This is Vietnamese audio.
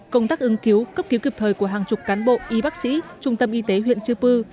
công tác ứng cứu cấp cứu kịp thời của hàng chục cán bộ y bác sĩ trung tâm y tế huyện chư pư